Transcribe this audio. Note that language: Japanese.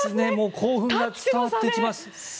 興奮が伝わってきます。